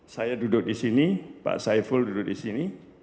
saya duduk disini pak saiful duduk disini